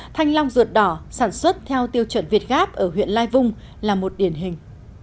thanh long ruột đỏ sản xuất theo tiêu chuẩn việt gáp ở huyện lai vung là một điển hình